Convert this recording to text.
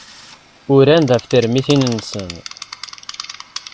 Uran-d ɣef termitin-nsen.